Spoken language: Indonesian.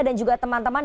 dan juga teman teman